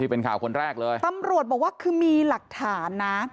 เป็นข่าวคนแรกเลยตำรวจบอกว่าคือมีหลักฐานนะ